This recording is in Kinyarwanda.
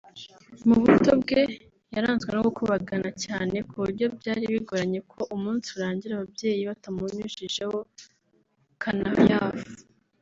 Mu buto bwe yaranzwe no gukubagana cyane ku buryo byari bigoranye ko umunsi urangira ababyeyi batamunyujijeho kanayafu